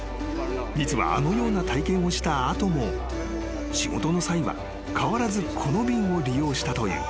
実はあのような体験をした後も仕事の際は変わらずこの便を利用したという］